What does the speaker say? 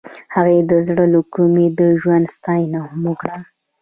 هغې د زړه له کومې د ژوند ستاینه هم وکړه.